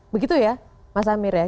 begitu ya mas amir ya